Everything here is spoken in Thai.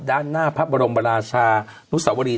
ด้านหน้าพระบรมราชานุสวรี